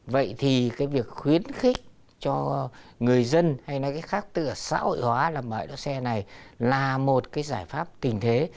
vậy thì cái việc khuyến khích cho người dân hay nói cái khác tựa xã hội hóa làm bãi đỗ xe này là một cái giải pháp tình thế